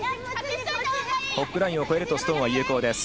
ホッグラインを越えるとストーンは有効。